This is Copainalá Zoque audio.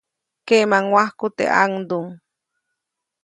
Keʼmaŋwajku teʼ ʼaŋduŋ.